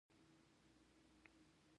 لمریز ځواک د افغانانو د معیشت سرچینه ده.